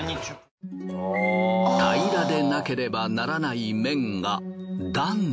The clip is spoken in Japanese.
平らでなければならない面が段に。